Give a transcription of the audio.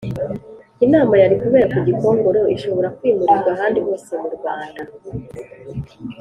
Inama yari kubera ku Gikongoro ishobora kwimurirwa ahandi hose mu Rwanda